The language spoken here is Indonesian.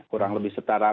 kurang lebih setara